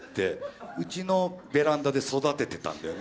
うちのベランダで育ててたんだよね。